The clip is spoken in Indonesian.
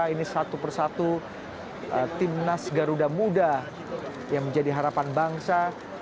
ini satu persatu timnas garuda muda yang menjadi harapan bangsa